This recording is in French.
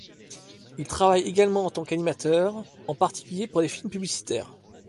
Il travaille également en tant qu'animateur, en particulier pour des films publicitaires.